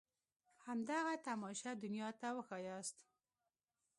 همدغه تماشه دنيا ته وښاياست.